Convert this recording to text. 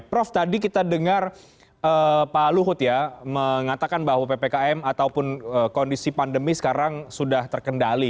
prof tadi kita dengar pak luhut ya mengatakan bahwa ppkm ataupun kondisi pandemi sekarang sudah terkendali